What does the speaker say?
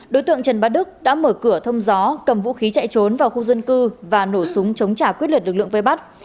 đối tượng trần bá đức đã mở cửa thông gió cầm vũ khí chạy trốn vào khu dân cư và nổ súng chống trả quyết liệt lực lượng vây bắt